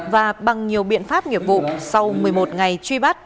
và bằng nhiều biện pháp nghiệp vụ sau một mươi một ngày truy bắt